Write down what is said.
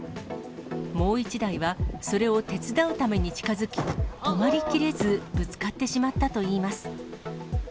もう１台は、それを手伝うために近づき、止まりきれずぶつかってしまったといいます。